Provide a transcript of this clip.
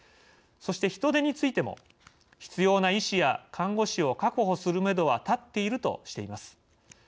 そして人手についても必要な医師や看護師を確保するめどは立っているとしています。